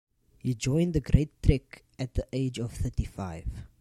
He joined the Great Trek at the age of thirty-five.